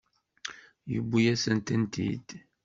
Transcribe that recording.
Yewwi-yasent-tent-id.